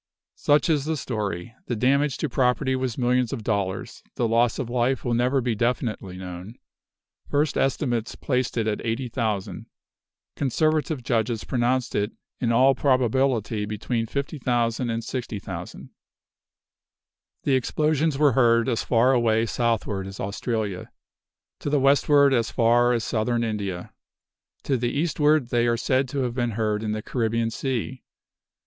Such is the story. The damage to property was millions of dollars. The loss of life will never be definitely known. First estimates placed it at 80,000. Conservative judges pronounced it in all probability between 50,000 and 60,000. The explosions were heard as far away southward as Australia; to the westward as far as Southern India; to the eastward, they are said to have been heard in the Caribbean Sea.